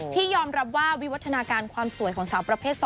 ที่ยอมรับว่าวิวัฒนาการความสวยของสาวประเภท๒